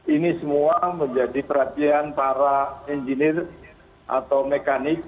ini semua menjadi perhatian para engineer atau mekanik